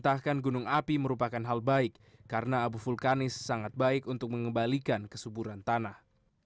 mentahkan gunung api merupakan hal baik karena abu vulkanis sangat baik untuk mengembalikan kesuburan tanah